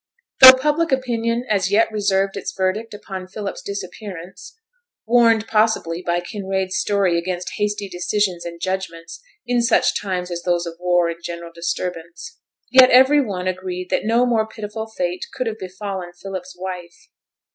Though public opinion as yet reserved its verdict upon Philip's disappearance warned possibly by Kinraid's story against hasty decisions and judgments in such times as those of war and general disturbance yet every one agreed that no more pitiful fate could have befallen Philip's wife.